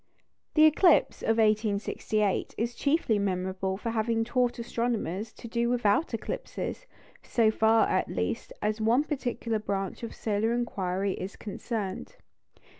The eclipse of 1868 is chiefly memorable for having taught astronomers to do without eclipses, so far, at least, as one particular branch of solar inquiry is concerned.